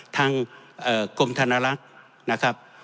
ทางเอ่อกรมธนรักนะครับ